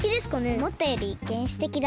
おもったよりげんしてきだった。